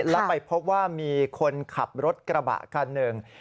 แล้วไปพบว่ามีคนขับรถกระบะคันหนึ่ง